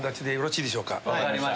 分かりました。